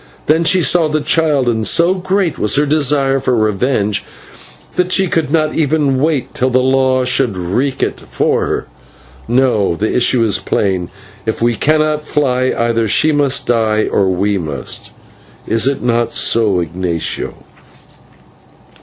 Then she saw the child, and so great was her desire for revenge that she could not even wait till the law should wreak it for her. No, the issue is plain; if we cannot fly, either she must die or we must. Is it not so, Ignatio?"